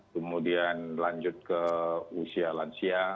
kemudian lanjut ke usia lansia